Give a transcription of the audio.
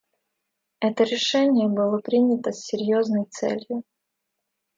Это решение было принято с серьезной целью.